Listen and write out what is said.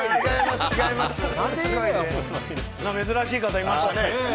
珍しい方、いましたね。